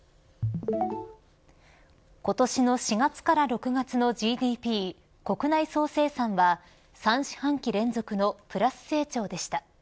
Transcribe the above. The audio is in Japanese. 今年の４月から６月のＧＤＰ＝国内総生産は３四半期連続のプラス成長でした。